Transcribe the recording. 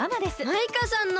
マイカさんの！